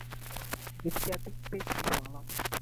Kwako nisogeze